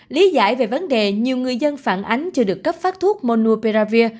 lý giải về vấn đề nhiều người dân phản ánh chưa được cấp phát thuốc monuperavir